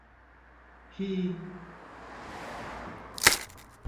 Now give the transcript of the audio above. — Һи-и!